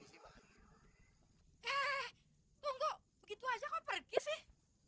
eh tunggu begitu aja kok pergi sih